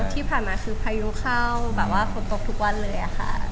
ที่ผ่านมาคือที่ภายุเข้าแบบว่าตกทุกวันเลย